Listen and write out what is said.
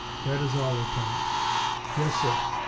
That is all, Lieutenant." "Yes, sir.